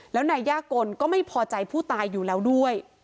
แล้วนายย่ากลก็ไม่พอใจผู้ตายอยู่แล้วด้วย